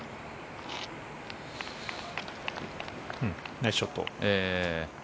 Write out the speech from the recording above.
ナイスショット。